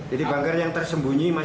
jadi bongkar yang tersembunyi mas